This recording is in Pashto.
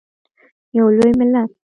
یو لوی ملت.